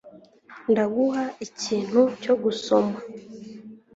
Ndaguha ikintu cyo gusoma?